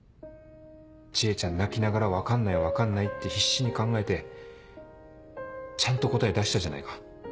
知恵ちゃん泣きながら「分かんない分かんない」って必死に考えてちゃんと答え出したじゃないか。